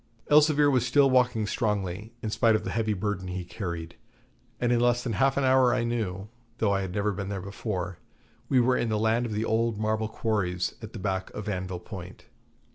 Elzevir was still walking strongly, in spite of the heavy burden he carried, and in less than half an hour I knew, though I had never been there before, we were in the land of the old marble quarries at the back of Anvil Point.